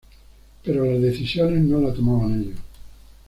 Pero las decisiones no la tomaban ellos.